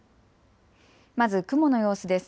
まず雲の様子です。